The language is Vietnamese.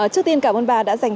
trước tiên cảm ơn bà đã dành